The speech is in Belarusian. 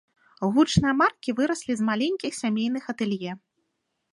Гучныя маркі выраслі з маленькіх сямейных атэлье.